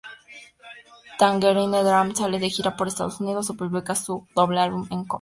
Tangerine Dream sale de gira por Estados Unidos y publica su doble álbum "Encore".